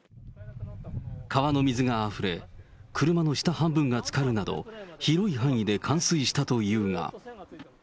川の水があふれ、車の下半分がつかるなど、広い範囲で冠水したというが。